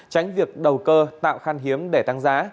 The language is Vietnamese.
những đầu cơ tạo khan hiếm để tăng giá